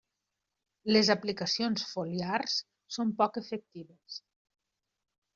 Les aplicacions foliars són poc efectives.